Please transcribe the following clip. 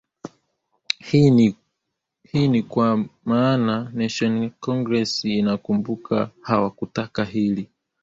hii ni kwa maana national congress unakumbuka hawakutaka hii